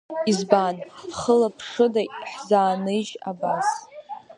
Избан, хылаԥшыда ҳзаанижь абас?